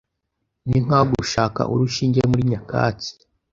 Ninkaho gushaka urushinge muri nyakatsi.